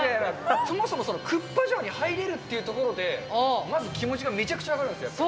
そもそもクッパ城に入れるというところで、まず気持ちがめちゃくちゃ上がるんです、やっぱり。